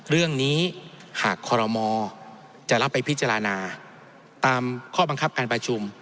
เรื่องนี้หากคอรมอจะรับไปพิจารณาตามข้อบังคับการประชุม